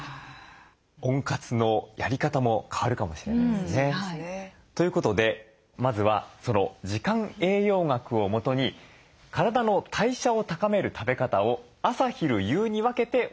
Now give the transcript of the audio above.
温活のやり方も変わるかもしれないですね。ということでまずはその時間栄養学をもとに体の代謝を高める食べ方を朝昼夕に分けてお伝えしていきます。